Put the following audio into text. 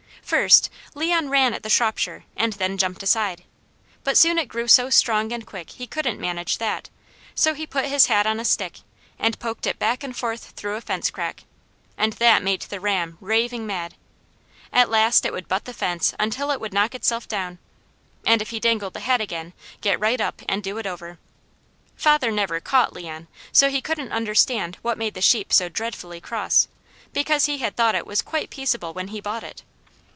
First, Leon ran at the Shropshire and then jumped aside; but soon it grew so strong and quick he couldn't manage that, so he put his hat on a stick and poked it back and forth through a fence crack, and that made the ram raving mad. At last it would butt the fence until it would knock itself down, and if he dangled the hat again, get right up and do it over. Father never caught Leon, so he couldn't understand what made the sheep so dreadfully cross, because he had thought it was quite peaceable when he bought it.